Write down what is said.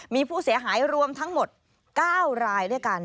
มีผู้เสียหายรวมทั้งหมด๙รายด้วยกัน